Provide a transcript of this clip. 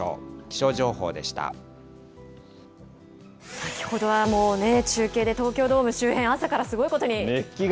先ほどはもう、中継で東京ドーム周辺、朝からすごいことに。